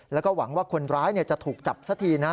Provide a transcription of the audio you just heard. แล้วก็หวังว่าคนร้ายจะถูกจับซะทีนะ